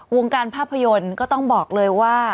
วงการภาพยนตร์ก็ต้องบอกเลยว่า